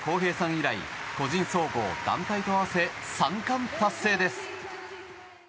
以来個人総合、団体と合わせ３冠達成です。